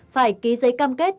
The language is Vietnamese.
phải ký giấy cam kết